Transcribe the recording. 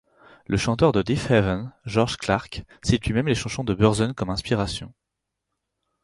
Le chanteur de Deafheaven, George Clarke, cite lui-même les chansons de Burzum comme inspiration.